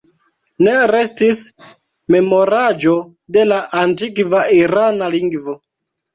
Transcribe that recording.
Ne restis memoraĵo de la antikva irana lingvo.